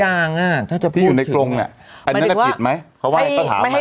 ยางถ้าจะอยู่ในโกรงน่ะแอดนั้นผิดไหมเขาว่าให้ไม่ให้